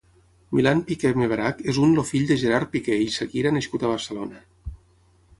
Milan Piqué Mebarak és un el fill de Gerard Piqué i Shakira nascut a Barcelona.